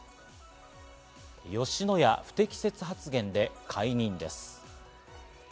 吉野家、不適切発言で解任です。